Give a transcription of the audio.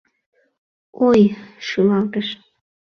— Ой!.. — шӱлалтыш.